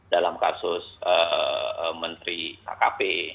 dalam kasus menteri akp